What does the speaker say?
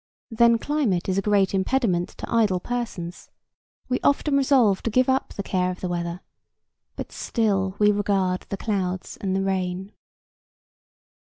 Then climate is a great impediment to idle persons; we often resolve to give up the care of the weather, but still we regard the clouds and the rain.